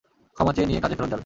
ক্ষমা চেয়ে নিয়ে কাজে ফেরত যাবে।